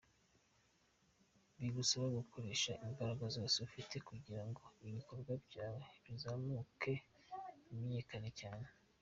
Bigusaba gukoresha imbaraga zose ufite kugirango ibikorwa byawe bizamuke, bimenyekane cyane.